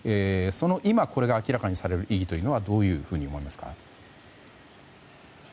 今、これが明らかにされる意義はどういうふうに思いますか？